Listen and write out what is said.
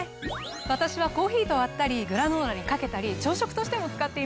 私はコーヒーと割ったりグラノーラにかけたり朝食としても使っています。